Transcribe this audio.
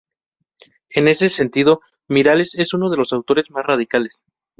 En ese sentido, Miralles es uno de los autores más radicales.